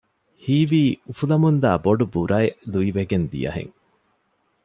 ހީވީ އުފުލަމުންދާ ބޮޑު ބުރައެއް ލުއިވެގެން ދިޔަ ހެން